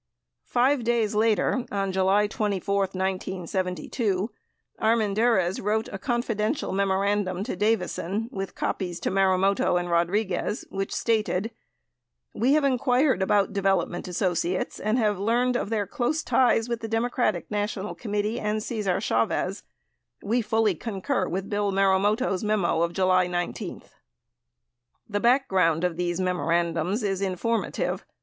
> Five days later, on July 24, 1972, Armendariz wrote a confidential memorandum to Davison with copies to Marumoto and Rodriguez, which stated : We have inquired about Development Associates and have learned of their close ties with the DNC and Cesar Chavez. We fully concur with Bill Marumoto's memo of July 19. 89 The background of these memorandums is informative.